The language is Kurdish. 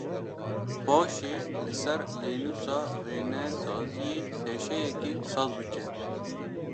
Paşê li ser lênûsa wênesaziyê teşeyekî saz bike.